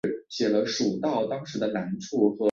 水流好比太阳风不断向外喷射。